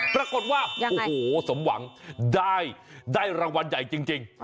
ปรากฏว่าโอ้โหสมหวังได้รางวัลใหญ่จริง